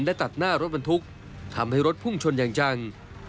และตัดหน้ารถบรรทุกทำให้รถพุ่งชนอย่างจัง